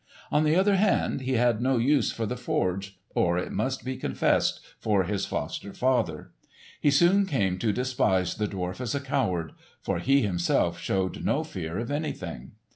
On the other hand, he had no use for the forge or, it must be confessed, for his foster father. He soon came to despise the dwarf as a coward, for he himself showed no fear of anything.